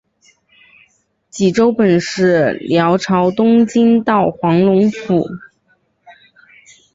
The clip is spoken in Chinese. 济州本是辽朝东京道黄龙府。